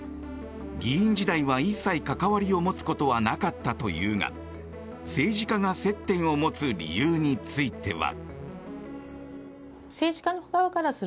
議員時代は一切関わりを持つことはなかったというが政治家が接点を持つ理由については。